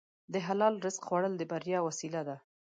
د حلال رزق خوړل د بریا وسیله ده.